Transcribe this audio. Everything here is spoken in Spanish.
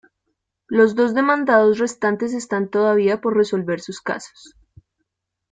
Los dos demandados restantes están todavía por resolver sus casos.